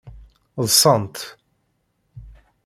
Ḍsant.